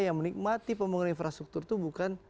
yang menikmati pembangunan infrastruktur itu bukan